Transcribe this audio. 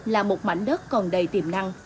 là một mảnh đất còn đầy tiềm năng